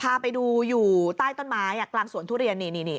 พาไปดูอยู่ใต้ต้นไม้กลางสวนทุเรียนนี่